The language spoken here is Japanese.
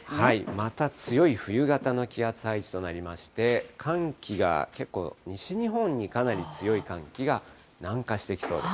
また強い冬型の気圧配置となりまして、寒気が結構、西日本にかなり強い寒気が南下してきそうです。